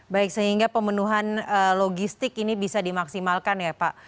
baik sehingga pemenuhan logistik ini bisa dimaksimalkan ya pak